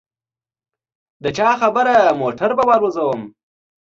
د چا خبره موټر به والوزووم.